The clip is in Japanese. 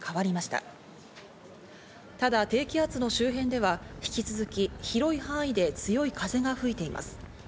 ただ低気圧の周辺では引き続き、広い範囲で強い風が吹いています。